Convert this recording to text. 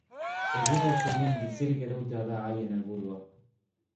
Egunez egun bizirik irautea da haien helburua.